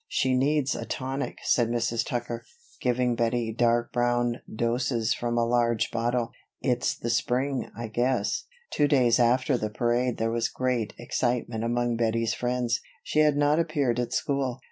"She needs a tonic," said Mrs. Tucker, giving Bettie dark brown doses from a large bottle. "It's the spring, I guess." Two days after the parade there was great excitement among Bettie's friends. She had not appeared at school.